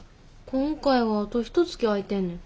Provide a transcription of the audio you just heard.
今回はあとひとつき空いてんねん。